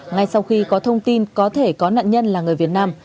ngay sau khi có thông tin có thể có nạn nhân là người việt nam